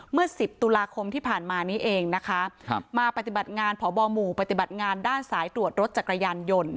เมื่อสิบตุลาคมที่ผ่านมานี้เองนะคะครับมาปฏิบัติงานพบหมู่ปฏิบัติงานด้านสายตรวจรถจักรยานยนต์